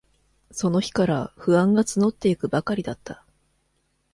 その日から、不安がつのっていくばかりだった。